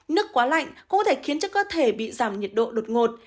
nước quá lạnh cũng có thể khiến cho cơ thể bị giảm nhiệt độ đột ngột